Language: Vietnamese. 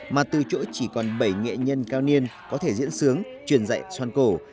mà từ chỗ chỉ còn bảy nghệ nhân cao niên có thể diễn sướng truyền dạy xoăn cổ